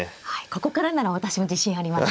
ここからなら私も自信あります。